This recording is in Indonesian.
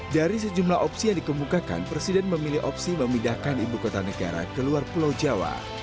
dari sejumlah opsi yang dikemukakan presiden memilih opsi memindahkan ibu kota negara ke luar pulau jawa